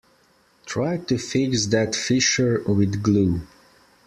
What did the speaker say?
Try to fix that fissure with glue.